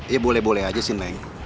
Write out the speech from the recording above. ya boleh boleh aja sih neng